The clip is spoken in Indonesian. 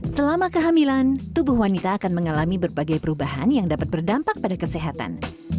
selama kehamilan tubuh wanita akan mengalami berbagai perubahan yang dapat berdampak pada kesehatan